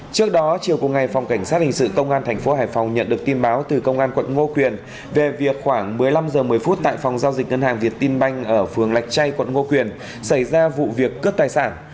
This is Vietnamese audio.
trước đó chiều cùng ngày phòng cảnh sát hình sự công an tp hải phòng nhận được tin báo từ công an quận ngô quyền về việc khoảng một mươi năm h một mươi phút tại phòng giao dịch ngân hàng việt tin banh ở phường lạch chay quận ngô quyền xảy ra vụ việc cướp tài sản